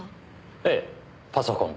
ええパソコン。